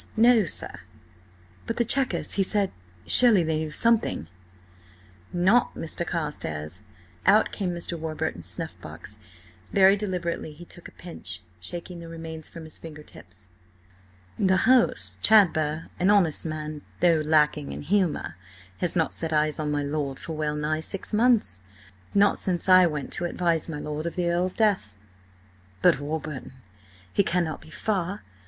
no, sir." "But the Chequers–he said— Surely they knew something?" "Nought, Mr. Carstares." Out came Mr. Warburton's snuff box. Very deliberately he took a pinch, shaking the remains from his finger tips. "The host, Chadber–an honest man, though lacking in humour–has not set eyes on my lord for well nigh six months. Not since I went to advise my lord of the Earl's death." "But, Warburton, he cannot be far?